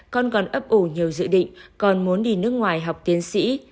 con còn ấp ủ nhiều dự định còn muốn đi nước ngoài học tiến sĩ